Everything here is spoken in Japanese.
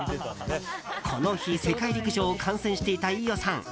この日、世界陸上を観戦していた飯尾さん